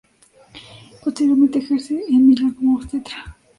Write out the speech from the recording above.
Posteriormente ejerce en Milán como obstetra.